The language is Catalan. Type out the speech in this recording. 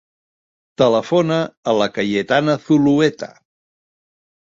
Telefona a la Cayetana Zulueta.